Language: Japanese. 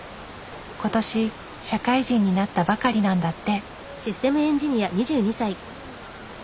今年社会人になったばかりなんだって。